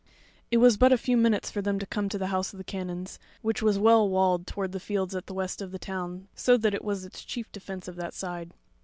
It was but a few minutes for them to come to the House of the Canons, which was well walled toward the fields at the west of the town, so that it was its chief defence of that side.